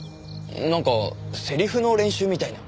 なんかセリフの練習みたいな。